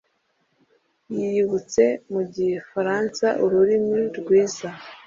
yiyibutse mu gifaransa, ururimi rwiza,